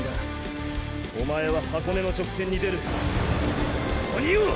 おまえは箱根の直線に出る鬼を！